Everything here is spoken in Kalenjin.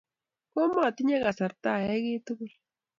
Koma tinye kasarta ayai kiy tukul